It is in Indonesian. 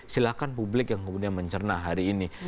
silahkan publik yang kemudian mencerna hari ini